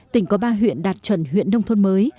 tỉnh có ba huyện đạt chuẩn huyện nông thôn mới